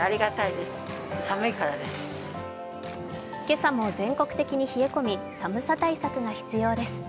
今朝も全国的に冷え込み寒さ対策が必要です。